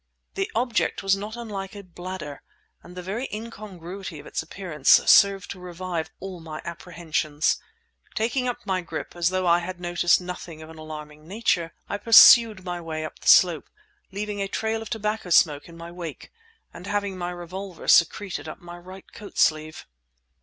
This object was not unlike a bladder, and the very incongruity of its appearance served to revive all my apprehensions. Taking up my grip, as though I had noticed nothing of an alarming nature, I pursued my way up the slope, leaving a trail of tobacco smoke in my wake; and having my revolver secreted up my right coat sleeve.